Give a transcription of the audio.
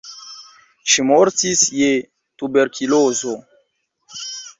Ŝi mortis je tuberkulozo.